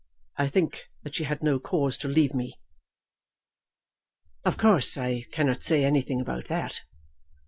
I think that she had no cause to leave me." "Of course I cannot say anything about that."